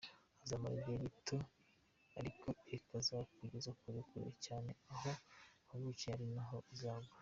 Izamara igihe gito ariko izakugeza kure, kure cyane aho wavukiye, ari naho uzagwa.